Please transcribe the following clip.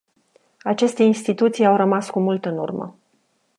Aceste instituții au rămas cu mult în urmă.